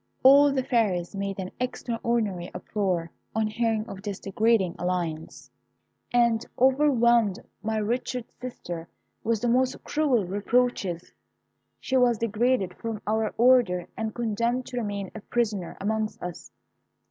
"All the fairies made an extraordinary uproar on hearing of this degrading alliance, and overwhelmed my wretched sister with the most cruel reproaches. She was degraded from our order, and condemned to remain a prisoner amongst us.